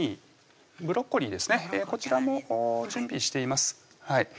こちらも準備しています